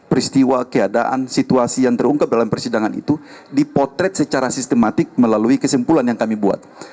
peristiwa keadaan situasi yang terungkap dalam persidangan itu dipotret secara sistematik melalui kesimpulan yang kami buat